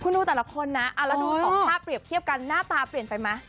คุณดูแต่ละคนนะแล้วดูสองภาพเปรียบเทียบกันหน้าตาเปลี่ยนไปไหม